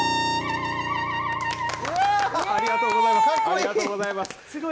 ありがとうございます。